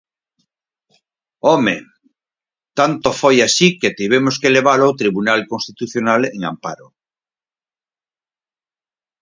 ¡Home!, tanto foi así que tivemos que levalo ao Tribunal Constitucional en amparo.